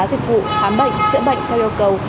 dịch vụ khám bệnh chữa bệnh theo yêu cầu